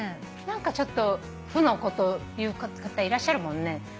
何かちょっと負のこと言う方いらっしゃるもんね。